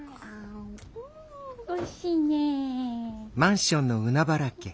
おいしいね。